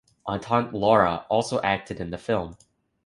Autant-Lara also acted in the film.